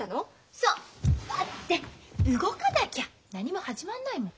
そ！だって動かなきゃ何も始まんないもん。